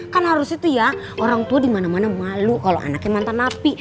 kan harus itu ya orang tua di mana mana malu kalau anaknya mantan api